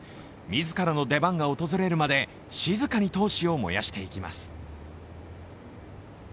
自らの出番が訪れるまで静かに闘志を燃やしていきます。